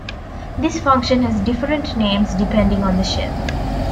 This function has different names depending on the shell.